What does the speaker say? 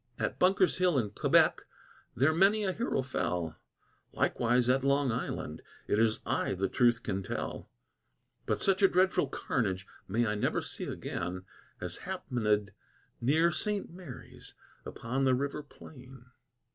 At Bunker's Hill and Quebeck, there many a hero fell, Likewise at Long Island (it is I the truth can tell), But such a dreadful carnage may I never see again As hap'ned near St. Mary's, upon the river plain.